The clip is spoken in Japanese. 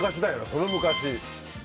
その昔。